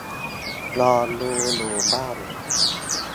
นอนดูอยู่บ้าน